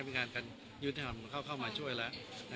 เรียกตัวนักกฎุลยุทธธรรมเข้ามาช่วยละนะครับ